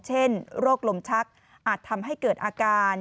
เช่นโรคลมชักอาจทำให้เกิดอาการ